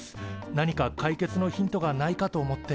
なにか解決のヒントがないかと思って。